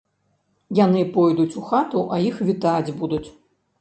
Яны пойдуць у хату, а іх вітаць будуць.